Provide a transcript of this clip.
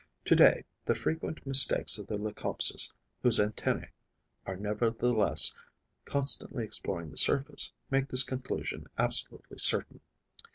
To day, the frequent mistakes of the Leucopsis, whose antennae are nevertheless constantly exploring the surface, make this conclusion absolutely certain.